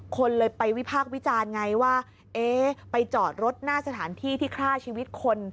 คนเลยไปวิพากษ์วิจารณ์ไงว่าเอ๊ะไปจอดรถหน้าสถานที่ที่ฆ่าชีวิตคน